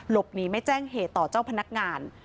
ไม่แจ้งเหตุต่อเจ้าพนักงาน